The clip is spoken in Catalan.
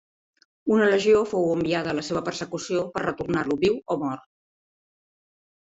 Una legió fou enviada a la seva persecució, per retornar-lo viu o mort.